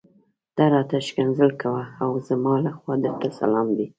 ته راته ښکنځل کوه او زما لخوا درته سلام دی.